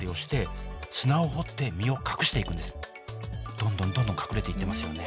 どんどんどんどん隠れていってますよね。